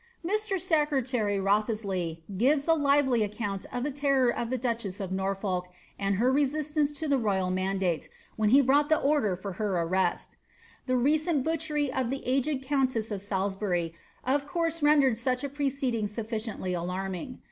'. aecrelary Wriothesley gives a li?ely account of the ten esa of NorTolk and her FesiRlance to the royal mandaie, ight the order for her arrest. The recent butchery of the aged ecia»* tma of Salisbury of course tendered auch a proceeding sufficiently alarming.